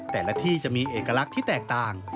แต่ละที่จะมีเอกลักษณ์ที่แตกต่าง